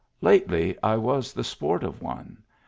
Lately I was the sport of one.